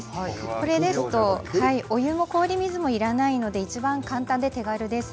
これですと、お湯も氷水もいらないのでいちばん簡単で手軽です。